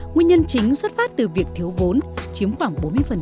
nguyên nhân chính xuất phát từ việc thiếu vốn chiếm khoảng bốn mươi